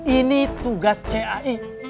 ini tugas cae